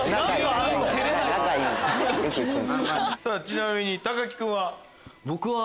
ちなみに木君は？